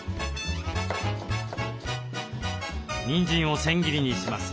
にんじんを千切りにします。